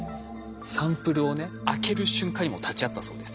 サンプルをね開ける瞬間にも立ち会ったそうですよ。